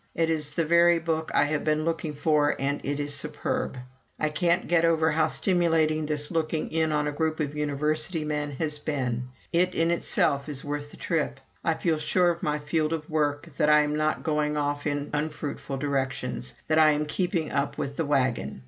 It is the very book I have been looking for and is superb. I can't get over how stimulating this looking in on a group of University men has been. It in itself is worth the trip. I feel sure of my field of work; that I am not going off in unfruitful directions; that I am keeping up with the wagon.